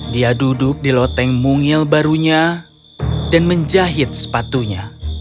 dia duduk di loteng mungil barunya dan menjahit sepatunya